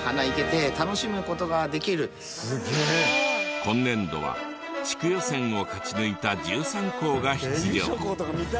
今年度は地区予選を勝ち抜いた１３校が出場。